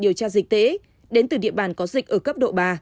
điều tra dịch tễ đến từ địa bàn có dịch ở cấp độ ba